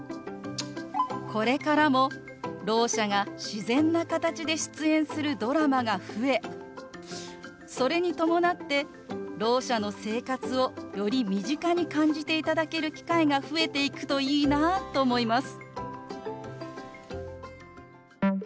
これからもろう者が自然な形で出演するドラマが増えそれに伴ってろう者の生活をより身近に感じていただける機会が増えていくといいなと思います。